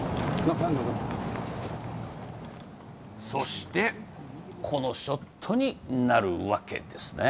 そして、このショットになるわけですね。